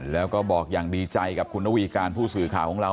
แล้วก็บอกอย่างดีใจกับคุณนวีการผู้สื่อข่าวของเรา